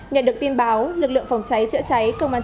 nhận được tin báo lực lượng phòng cháy chữa cháy công an